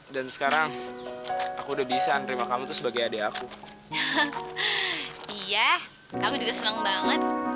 dan sekarang aku udah bisa nerima kamu tuh sebagai adik aku iya kamu juga seneng banget